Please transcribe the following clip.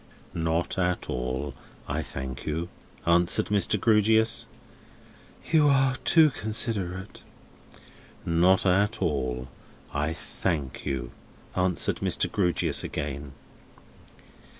"Not at all, I thank you," answered Mr. Grewgious. "You are too considerate." "Not at all, I thank you," answered Mr. Grewgious again.